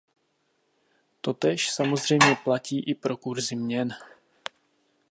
Totéž samozřejmě platí i pro kurzy měn.